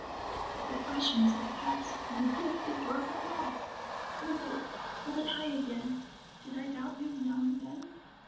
But the clashing is all past. And the gift is yours at last. Lift it — hold it high again !..• Did I doubt you now and then